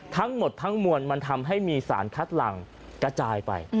ทั้งหมดทั้งมวลมันทำให้มีสารคัดหลังกระจายไป